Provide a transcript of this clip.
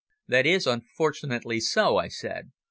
"That is unfortunately so," I said.